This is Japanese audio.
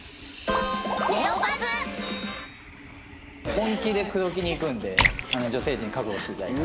本気で口説きにいくんで女性陣覚悟して頂いて。